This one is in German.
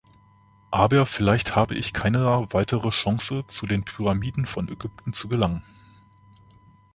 Aber vielleicht habe ich keiner weitere Chance, zu den Pyramiden von Ägypten zu gelangen.